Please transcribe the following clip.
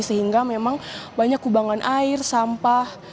sehingga memang banyak kubangan air sampah